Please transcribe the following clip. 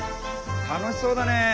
楽しそうだねえ。